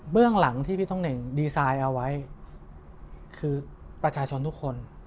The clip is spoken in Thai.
หลังที่พี่ท่องเน่งดีไซน์เอาไว้คือประชาชนทุกคน